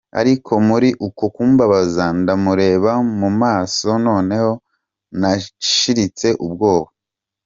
Ariko muri uko kumbaza ndamureba mu maso noneho nashiritse ubwoba.